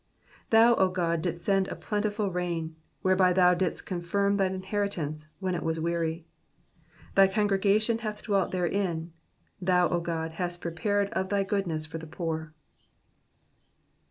9 Thou, O God, didst send a plentiful rain, whereby thou didst confirm thine inheritance, when it was weary. 10 Thy congregation hath dwelt therein : thou, O God, hast prepared of thy goodness for the poor.